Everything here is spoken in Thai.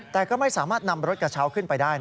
แต่ก็ไม่สามารถนำรถกระเช้าขึ้นไปได้